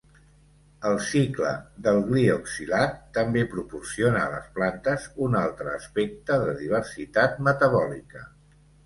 El cicle del glioxilat també proporciona a les plantes un altre aspecte de diversitat metabòlica.